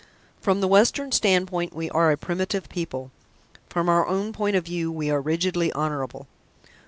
"From the Western standpoint we are a primitive people. From our own point of view we are rigidly honourable.